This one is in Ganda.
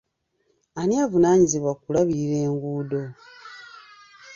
Ani avunaanyizibwa ku kulabirira enguudo?